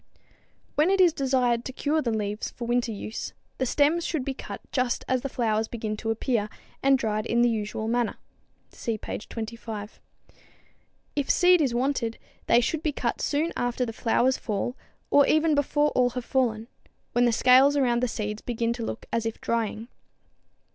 When it is desired to cure the leaves for winter use, the stems should be cut just as the flowers begin to appear, and dried in the usual manner. (See page 25.) If seed is wanted, they should be cut soon after the flowers fall or even before all have fallen when the scales around the seeds begin to look as if drying.